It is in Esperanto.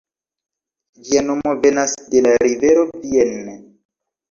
Ĝia nomo venas de la rivero Vienne.